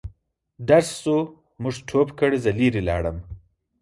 ډز شو موږ ټوپ کړ زه لیري لاړم.